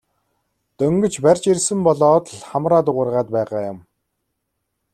Дөнгөж барьж ирсэн болоод л хамраа дуугаргаад байгаа юм.